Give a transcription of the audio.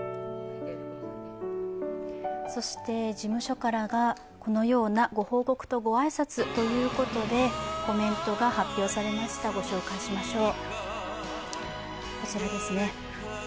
そして事務所から、このようなご報告とご挨拶ということでコメントが発表されました、ご紹介しましょう。